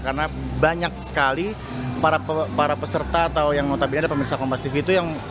karena banyak sekali para peserta atau yang notabene ada pemirsa kompastv itu yang